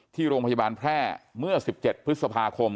ที่โรงพยาบาลแพร่เมื่อ๑๗พฤษภาคม